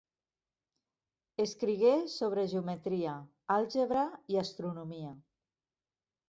Escrigué sobre geometria, àlgebra i astronomia.